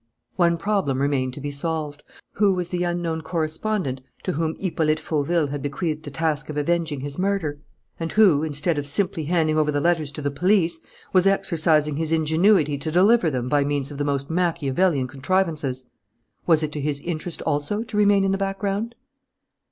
One problem remained to be solved: who was the unknown correspondent to whom Hippolyte Fauville had bequeathed the task of avenging his murder, and who, instead of simply handing over the letters to the police, was exercising his ingenuity to deliver them by means of the most Machiavellian contrivances? Was it to his interest also to remain in the background?